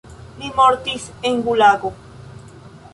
Li mortis en gulago.